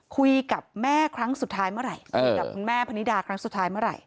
คุยกับแม่ครั้งสุดท้ายเมื่อไหร่คุยกับคุณแม่พนิดาครั้งสุดท้ายเมื่อไหร่